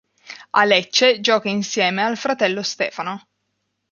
A Lecce gioca insieme al fratello Stefano.